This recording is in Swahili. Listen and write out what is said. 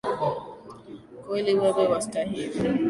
Kweli wewe wastahili